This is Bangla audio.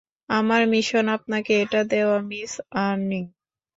আমার মিশন আপনাকে এটা দেওয়া, মিস অ্যানিং।